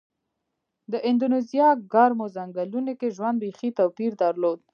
د اندونیزیا ګرمو ځنګلونو کې ژوند بېخي توپیر درلود.